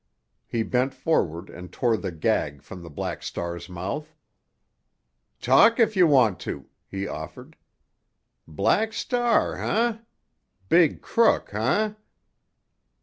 He bent forward and tore the gag from the Black Star's mouth. "Talk, if you want to," he offered. "Black Star, eh? Big crook, eh?"